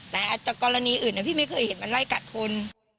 แต่อาจจะกรณีอื่นพี่ไม่เคยเห็นมันไล่กัดคน